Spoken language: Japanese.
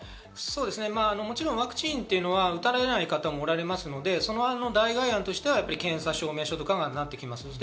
もちろんワクチンというのは、打たれない方もおられますので、代替案としては検査証明書となります。